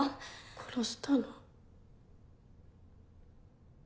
殺したの。